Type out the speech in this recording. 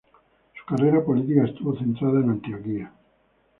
Su carrera política estuvo centrada en Antioquía.